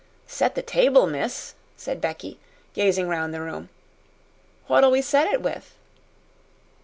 "Set the table, miss?" said Becky, gazing round the room. "What'll we set it with?"